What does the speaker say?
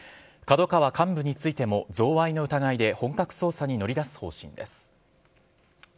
ＫＡＤＯＫＡＷＡ幹部についても、贈賄の疑いで本格捜査に乗り出す方針です。